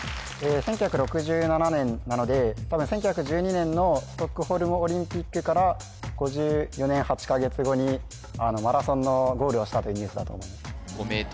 １９６７年なので多分１９１２年のストックホルムオリンピックから５４年８か月後にあのマラソンのゴールをしたというニュースだと思いますご名答